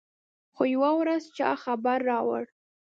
خو يوه ورځ چا خبر راوړ.